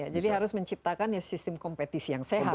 jadi harus menciptakan sistem kompetisi yang sehat